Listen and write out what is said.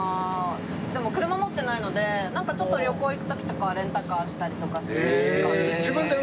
でも車持ってないのでなんかちょっと旅行行く時とかはレンタカーしたりとかして。